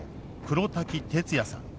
黒滝哲哉さん。